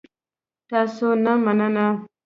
تاسو نه مننه